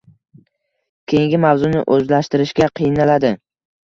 – keyingi mavzuni o‘zlashtirishga qiynaladi